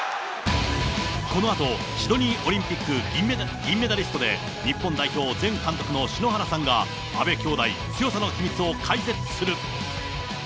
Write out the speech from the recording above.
このあと、シドニーオリンピック銀メダリストで、日本代表前監督の篠原さんが、阿部兄妹、強さの秘密を解説する。